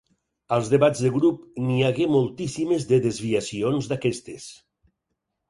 Als debats de grup n'hi hagué moltíssimes de desviacions d'aquestes.